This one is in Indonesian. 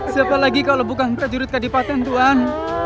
siapa lagi kalau bukan kejurut kedipatan tuhan